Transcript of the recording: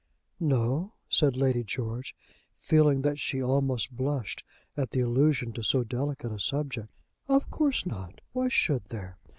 "No," said Lady George, feeling that she almost blushed at the allusion to so delicate a subject. "Of course not. Why should there?